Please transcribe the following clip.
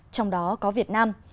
trong đó có việt nam